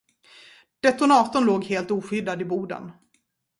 Detonatorn låg helt oskyddad i boden.